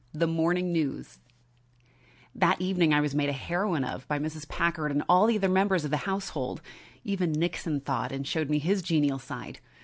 THE MORNING NEWS That evening I was made a heroine of by Mrs. Packard and all the other members of the household. Even Nixon thawed and showed me his genial side.